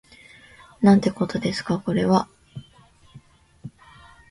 なんてことですかこれは